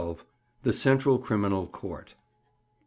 THE CENTRAL CRIMINAL COURT.